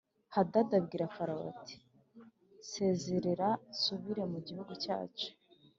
Hadadi abwira Farawo ati “Nsezerera nsubire mu gihugu cyacu”